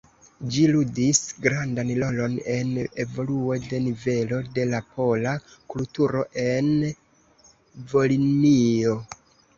Ĝi ludis grandan rolon en evoluo de nivelo de la pola kulturo en Volinio.